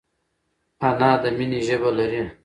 انا د مینې ژبه لري